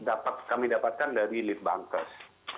dapat kami dapatkan dari lead bankers